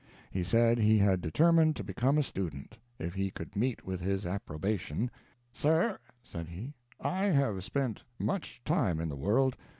He said he had determined to become a student, if he could meet with his approbation. "Sir," said he, "I have spent much time in the world.